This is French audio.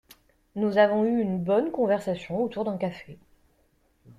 Nous avons eu une bonne conversation autour d'un café.